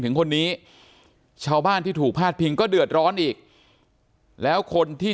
ถึงคนนี้ชาวบ้านที่ถูกพาดพิงก็เดือดร้อนอีกแล้วคนที่